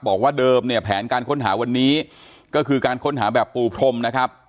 บอกว่าเดิมเนี่ยแผนการค้นหาวันนี้ก็คือการค้นหาแบบปูพรมนะครับ